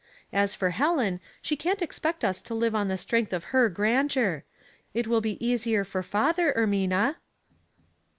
As for Helen, she can't expect us to live on the strength of her grandeur. It will be easier for father, Ermina."